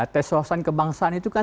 tes wawasan kebangsaan itu kan